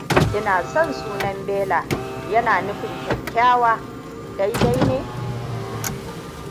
Ina son sunan Bella, yana nufin kyakkyawa, daidai ne?